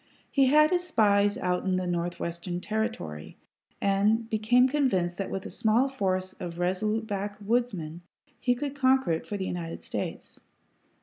He had his spies out in the Northwestern Territory, and became convinced that with a small force of resolute backwoodsmen he could conquer it for the United States.